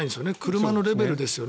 車のレベルですよね。